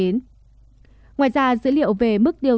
ngoài ra dữ liệu về mức điều